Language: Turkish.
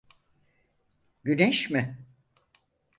Güneş mi?